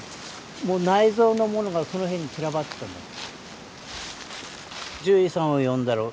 もう内臓のものがその辺に散らばってたもん。